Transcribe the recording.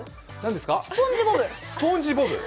スポンジボブ。